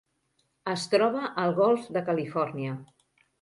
Es troba al Golf de Califòrnia.